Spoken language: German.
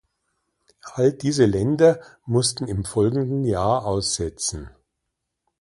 All diese Länder mussten im folgenden Jahr aussetzen.